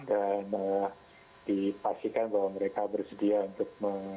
dan dipastikan bahwa mereka bersedia untuk